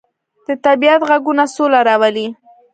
د طبیعت غږونه سوله راولي.